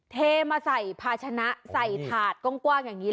เทมาใส่พาชนะใส่ถาดก้มกว้าง